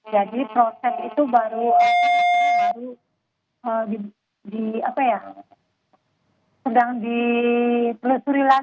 jadi proses itu baru sedang dipelusuri lagi